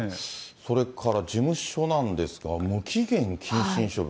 それから事務所なんですが、無期限謹慎処分。